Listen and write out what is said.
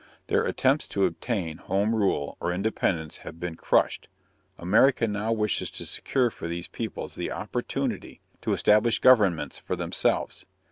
Their attempts to obtain home rule or independence have been crushed. America now wishes to secure for these peoples the opportunity to establish governments for themselves.